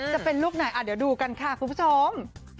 จะเป็นลูกไหนเดี๋ยวดูกันค่ะคุณผู้ชม